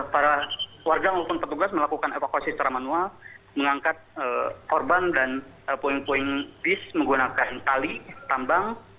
para warga maupun petugas melakukan evakuasi secara manual mengangkat korban dan puing puing bis menggunakan tali tambang